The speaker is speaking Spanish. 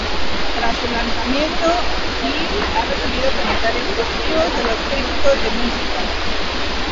Tras su lanzamiento, "Heal" ha recibido comentarios positivos de los críticos de música.